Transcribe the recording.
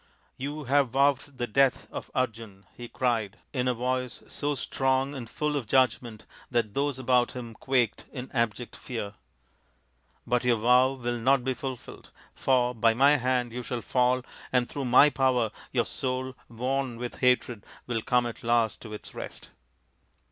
" You have vowed the death THE FIVE TALL SONS OF PANDU 113 of Arjun," he cried in a voice so strong and full of judgment that those about him quaked in abject fear, " but your vow will not be fulfilled, for by my hand you shall fall and through my power your soul, worn with hatred, will come at last to its rest."